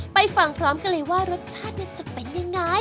ไปฟังพร้อมกันเลยว่ารสชาติจะเป็นยังไง